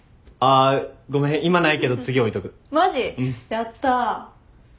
やった。